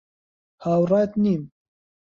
هاوڕات نیم.